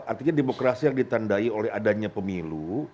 artinya demokrasi yang ditandai oleh adanya pemilu